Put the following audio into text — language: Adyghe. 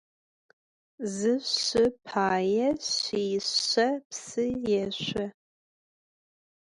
Zı şşı paê şşişse psı yêşso.